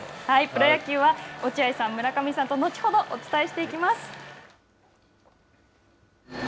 プロ野球は、落合さん、村上さんと後ほどお伝えしていきます。